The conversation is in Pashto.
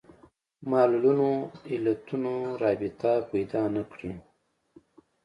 معلولونو علتونو رابطه پیدا نه کړي